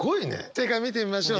正解見てみましょう。